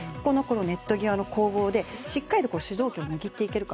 ネット際の攻防でしっかりと主導権を握っていけるか。